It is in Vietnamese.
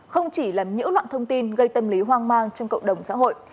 không chỉ là những loạn thông tin gây tâm lý hoang mang trong cộng đồng xã hội